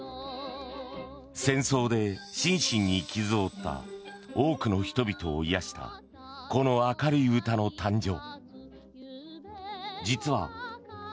戦争で心身に傷を負った多くの人々を癒やしたこの明るい歌の誕生。